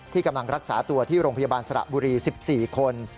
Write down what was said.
กำลังรักษาตัวที่โรงพยาบาลสระบุรี๑๔คน